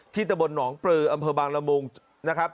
ที่ตะบนหนองปลืออำเภอบางรมงค์